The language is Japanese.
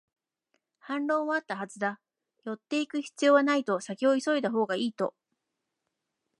反論はあったはずだ、寄っていく必要はないと、先を急いだほうがいいと